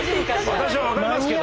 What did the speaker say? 私は分かりますけど。